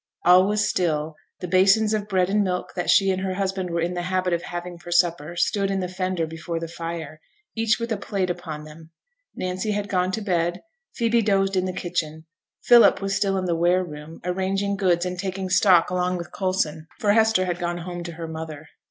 All was still; the basins of bread and milk that she and her husband were in the habit of having for supper stood in the fender before the fire, each with a plate upon them. Nancy had gone to bed, Phoebe dozed in the kitchen; Philip was still in the ware room, arranging goods and taking stock along with Coulson, for Hester had gone home to her mother.